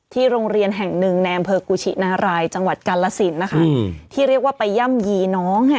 ที่โรงเรียนแห่งหนึ่งแนมเผิกกุชินารายจังหวัดกัลลสินที่เรียกว่าไปย่ำยีน้อง